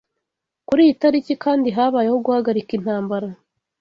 Kuri iyi tariki kandi habayeho guhagarika intambara